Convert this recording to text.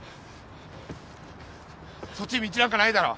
そっち道なんかないだろ？